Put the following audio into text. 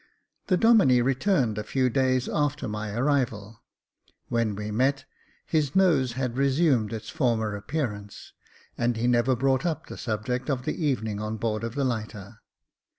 The Domine returned a few days after my arrival. When we met, his nose had resumed its former appearance, and he never brought up the subject of the evening on board of the lighter.